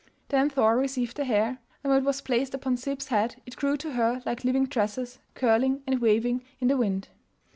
Then Thor received the hair, and when it was placed upon Sib's head it grew to her like living tresses, curling and waving in the wind.